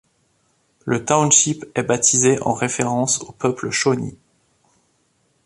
Le township est baptisé en référence au peuple Shawnee.